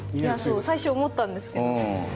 最初思ったんですけど。